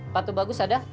patu bagus ada